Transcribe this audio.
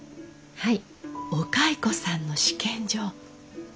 はい。